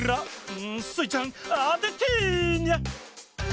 スイちゃんあててニャ！